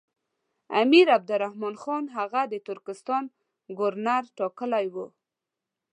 امیر عبدالرحمن خان هغه د ترکستان ګورنر ټاکلی وو.